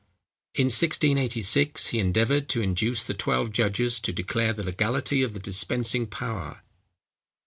In 1686, he endeavoured to induce the twelve judges to declare the legality of the dispensing power.